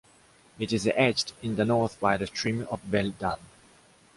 It is edged in the north by the stream of Belles-Dames.